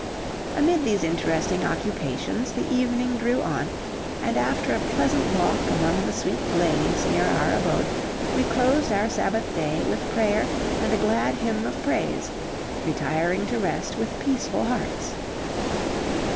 Amid these interesting occupations the evening drew on, and after a pleasant walk among the sweet glades near our abode, we closed our Sabbath day with prayer and a glad hymn of praise, retiring to rest with peaceful hearts.